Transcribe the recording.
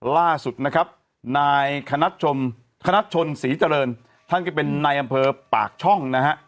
ล่าสุดคณะชนศรีเจริญท่านก็เป็นนายอำเภอปากช่อง